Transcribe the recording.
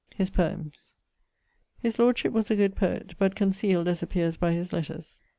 <_His poems._> His lordship was a good poet, but conceal'd, as appeares by his letters.